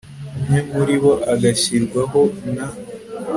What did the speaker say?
umwe muri bo agashyirwaho na